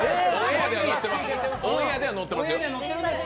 オンエアではのってます。